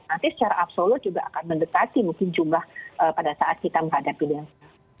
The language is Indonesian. nanti secara absolut juga akan mendekati mungkin jumlah pada saat kita menghadapi delta